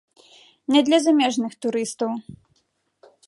Не для замежных турыстаў.